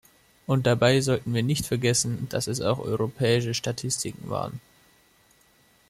Und dabei sollten wir nicht vergessen, dass es auch europäische Statistiken waren.